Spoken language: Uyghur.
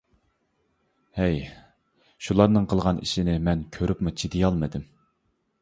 ھەي. شۇلارنىڭ قىلغان ئىشىنى مەن كۆرۈپمۇ چىدىيالمىدىم!